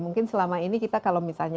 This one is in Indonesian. mungkin selama ini kita kalau misalnya